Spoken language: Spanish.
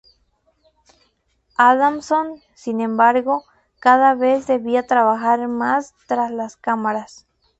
Adamson, sin embargo, cada vez debía trabajar más tras las cámaras.